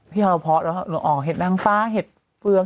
พี่เฮาระเพาะแล้วออกเห็ดดางฟ้าเห็ดเฟือง